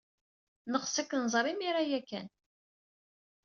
Neɣs ad k-nẓer imir-a ya kan.